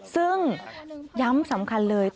ซึ่งย้ำสำคัญเลย